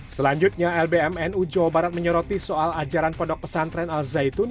selanjutnya lbmnu jawa barat menyoroti soal ajaran pondok pesantren al zaitun